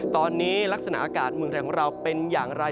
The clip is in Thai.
ตอนนี้ลักษณะอากาศเมืองไทยของเราเป็นอย่างไร